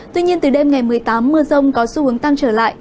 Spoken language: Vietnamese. tuy nhiên từ đêm ngày một mươi tám mưa rông có xu hướng tăng trở lại